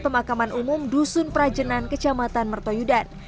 pemakaman umum dusun prajenan kecamatan mertoyudan